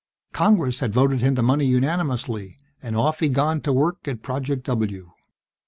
Congress had voted him the money unanimously, and off he'd gone to work at Project W.